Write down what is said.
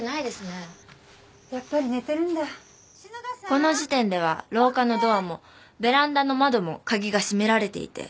この時点では廊下のドアもベランダの窓も鍵が締められていて。